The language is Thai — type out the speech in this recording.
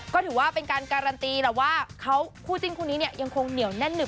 ก็ถือว่าเป็นการการันตีแหละว่าเขาคู่จิ้นคู่นี้เนี่ยยังคงเหนียวแน่นหนึ่ง